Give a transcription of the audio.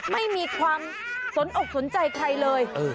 ไม่มีความสนอกสนใจใครเลย